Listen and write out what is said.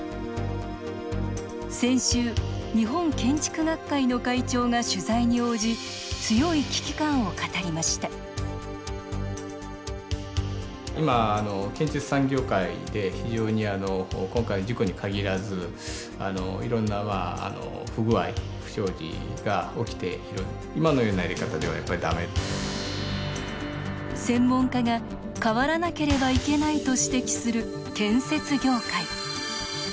先週、日本建築学会の会長が取材に応じ強い危機感を語りました専門家が、変わらなければいけないと指摘する建設業界。